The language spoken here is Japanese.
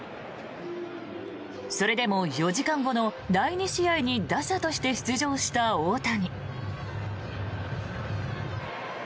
それでも４時間後の第２試合に打者として出場した大谷。